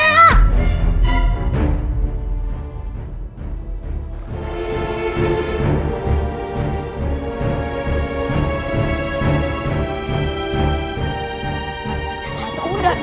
mau dibawa kemana sih cherry